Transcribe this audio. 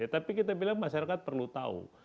tapi kita bilang masyarakat perlu tahu